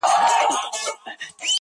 زما تر لحده به آواز د مرغکیو راځي،